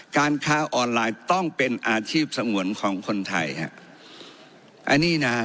การค้าออนไลน์ต้องเป็นอาชีพสงวนของคนไทยฮะอันนี้นะ